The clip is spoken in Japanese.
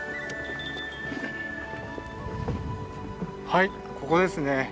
はいここですね。